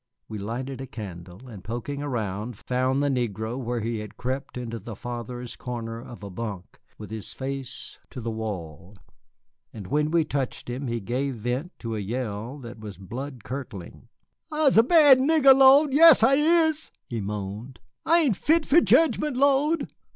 We lighted a candle, and poking around, found the negro where he had crept into the farthest corner of a bunk with his face to the wall. And when we touched him he gave vent to a yell that was blood curdling. "I'se a bad nigger, Lo'd, yes, I is," he moaned. "I ain't fit fo' jedgment, Lo'd."